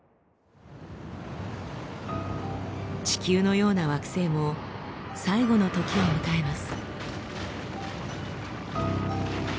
地球のような惑星も最期の時を迎えます。